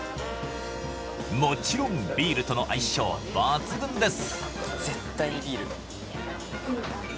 もちろんビールとの相性抜群です！